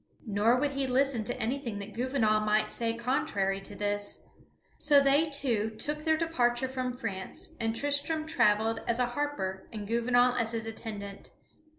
Nor would he listen to anything that Gouvernail might say contrary to this. So they two took their departure from France, and Tristram travelled as a harper and Gouvernail as his attendant.